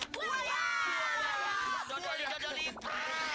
satu dua tiga